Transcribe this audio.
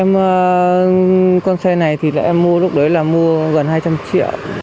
em con xe này thì lại em mua lúc đấy là mua gần hai trăm linh triệu